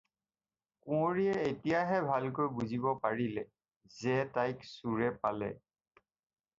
কুঁৱৰীয়ে এতিয়াহে ভালকৈ বুজিব পাৰিলে যে তাইক চোৰে পালে।